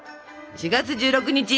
４月１６日。